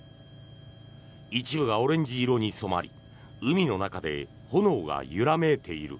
一部がオレンジ色に染まり海の中で炎が揺らめいている。